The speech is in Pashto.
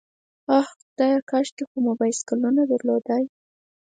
آه خدایه، کاشکې خو مو بایسکلونه درلودای.